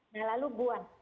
nah lalu buah